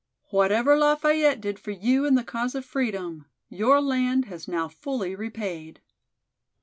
"Whatever Lafayette did for you in the cause of freedom, your land has now fully repaid."